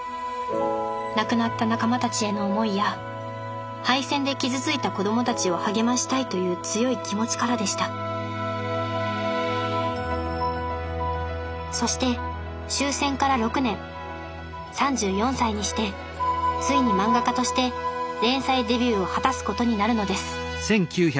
亡くなった仲間たちへの思いや敗戦で傷ついた子供たちを励ましたいという強い気持ちからでしたそして終戦から６年３４歳にしてついに漫画家として連載デビューを果たすことになるのです。